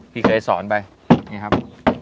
พี่เคยสอนไปนี่ครับ